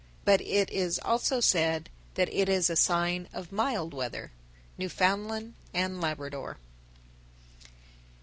But it is also said that it is a sign of mild weather. _Newfoundland and Labrador.